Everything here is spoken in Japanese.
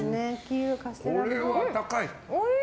これは高い。